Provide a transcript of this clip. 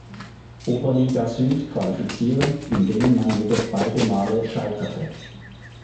Oberliga Süd qualifizieren, in denen man jedoch beide Male scheiterte.